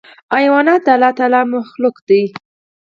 حیوانات د الله مخلوق دي.